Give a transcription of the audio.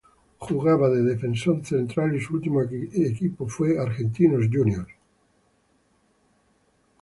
Jugaba de defensor central y su último equipo fue Argentinos Juniors.